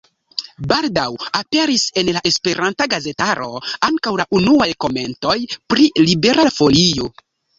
Baldaŭ aperis en la esperanta gazetaro ankaŭ la unuaj komentoj pri Libera Folio.